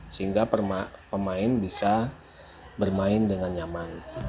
sehingga pemain bisa bermain dengan nyaman